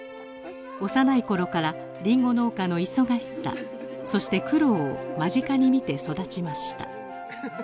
幼い頃からリンゴ農家の忙しさそして苦労を間近に見て育ちました。